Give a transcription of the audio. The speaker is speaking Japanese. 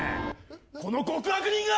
この極悪人が！